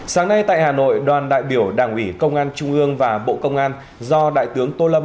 sáng nay tại hà nội đoàn đại biểu đảng ủy công an trung ương và bộ công an do đại tướng tô lâm